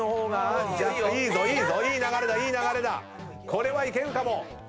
これはいけるかも。